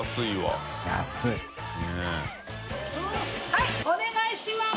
はいお願いします！